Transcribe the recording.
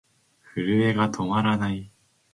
震えが止まらない。